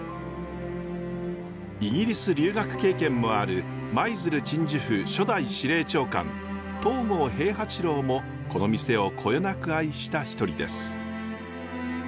イギリス留学経験もある舞鶴鎮守府初代司令長官東郷平八郎もこの店をこよなく愛した一人です。